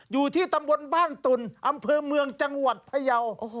อยู่ที่ตำบลบ้านตุ่นอำเภอเมืองจังหวัดพยาว